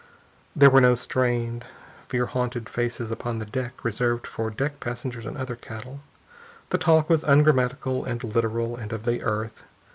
There were no strained, fear haunted faces upon the deck reserved for deck passengers and other cattle. The talk was ungrammatical and literal and of the earth.